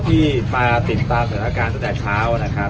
ข้อที่ปลาแต่งปากษณะการตัดแดดเท้านะครับ